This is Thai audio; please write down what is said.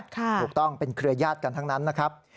ถูกต้องเป็นเครือญาติกันทั้งนั้นนะครับ